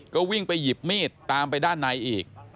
ก็วิ่งไปหยิบมีดตามไปด้านในอีก